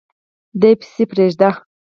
دی پسي پریږده